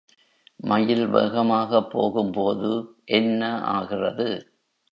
மயில் வேகமாகப் போகும்போது என்ன ஆகிறது?